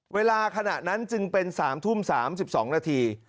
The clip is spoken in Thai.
เวลาขณะนั้นจึงเป็น๓ทุ่ม๓๒นาที